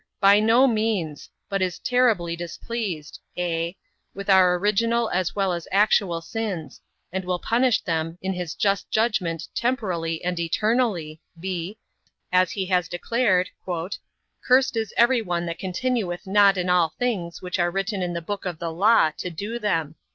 A. By no means; but is terribly displeased (a) with our original as well as actual sins; and will punish them in his just judgment temporally and eternally, (b) as he has declared, "Cursed is every one that continueth not in all things, which are written in the book of the law, to do them."